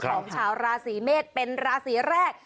ของชาวราศีเมษเป็นราศีแรก